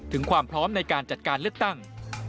ถึงความพร้อมในการจัดการเลือกตั้ง